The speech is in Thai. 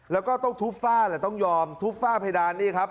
แล้วก็ต้องทุบฝ้าแหละต้องยอมทุบฝ้าเพดานนี่ครับ